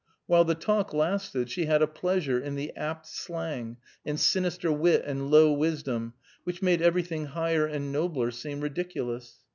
While the talk lasted, she had a pleasure in the apt slang, and sinister wit and low wisdom, which made everything higher and nobler seem ridiculous.